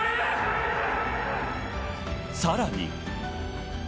さらに。